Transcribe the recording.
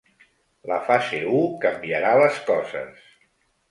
La fase u canviarà les coses.